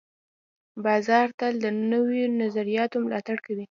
بازار تل د نوو نظریاتو ملاتړ کوي.